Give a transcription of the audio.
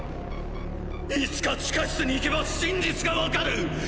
いつか地下室に行けば真実が分かる！